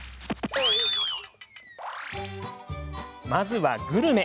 まずはグルメ。